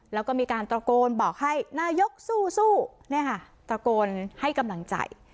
แล้วก็มีการตระโกนบอกให้นายกสู้เนี่ยค่ะตะโกนให้กำลังใจ